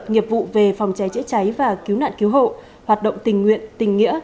nghiệp vụ về phòng cháy chữa cháy và cứu nạn cứu hộ hoạt động tình nguyện tình nghĩa